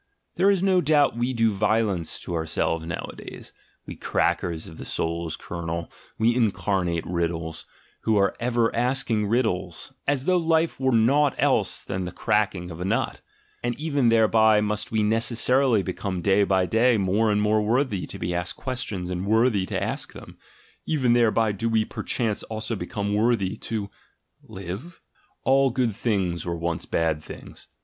There is no doubt we do violence to ourselves nowaday. , we crackers of the soul's kernel, we incarnate riddles, who are ever asking riddles, as though life were naught else than the cracking of a nut; and even thereby must we neces sarily become day by day more and more worthy to be asked questions and worthy to ask them, even thereby do we perchance also become worthier to — live? ... All good things were once bad thins